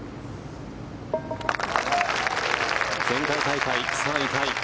前回大会３位タイ。